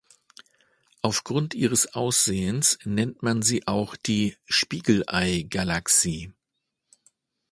Aufgrund ihres Aussehens nennt man sie auch die „Spiegelei-Galaxie“.